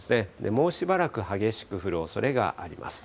もうしばらく激しく降るおそれがあります。